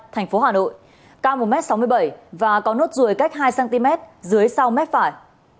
thành phố hà nội cao một m sáu mươi bảy và có nốt ruồi cách hai cm dưới sau mép phải